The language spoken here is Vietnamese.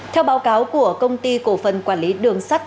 theo báo cáo của công ty cổ phần quản lý đường sắt